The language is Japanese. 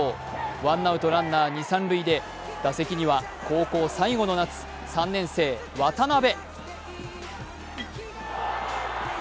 ワンアウト、ランナー二・三塁で打席には高校最後の夏、３年生、渡辺。